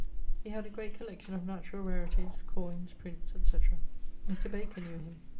He had a great collection of natural rarities, coynes, prints, etc. Mr. Baker knew him.